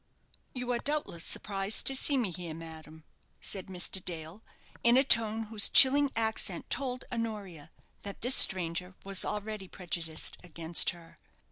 "You are doubtless surprised to see me here, madam," said Mr. Dale, in a tone whose chilling accent told Honoria that this stranger was already prejudiced against her.